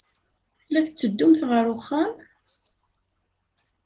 La tetteddumt ɣer uxxam?